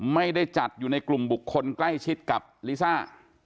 ไม่ได้จัดอยู่ในกลุ่มบุคคลใกล้ชิดกับลิซ่า